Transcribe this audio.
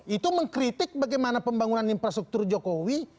itu mengkritik bagaimana pembangunan infrastruktur jokowi